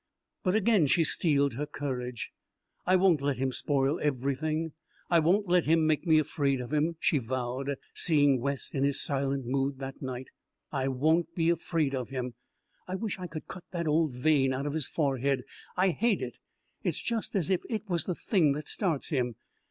But again she steeled her courage. "I won't let him spoil everything; I won't let him make me afraid of him," she vowed, seeing Wes in his silent mood that night. "I won't be afraid of him. I wish I could cut that old vein out of his forehead. I hate it it's just as if it was the thing that starts him.